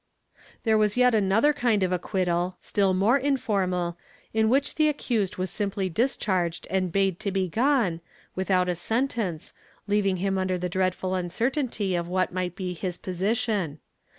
112 THE SENTENCE [Book VII There was yet another kind of acquittal, still more informal, in which the accused was simply discharged and bade to be gone, without a sentence, leaving him under the dreadful uncertainty of what might be his position.